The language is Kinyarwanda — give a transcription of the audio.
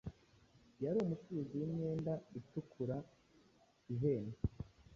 yari umucuruzi w’imyenda itukura ihenda.